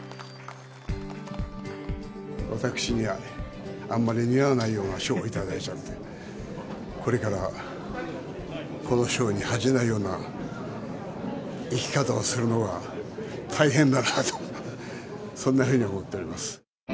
私にはあんまり似合わないような賞を頂いちゃって、これからこの賞に恥じないような生き方をするのが大変だなと、そんなふうに思っております。